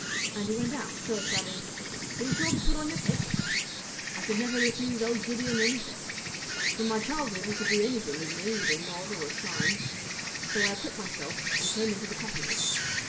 And he went out, first adding, "Be sure to put on your cape." I could never refuse old Gideon anything; from my childhood he could do anything with me with a nod or a sign; so I equipped myself and came into the coffee room.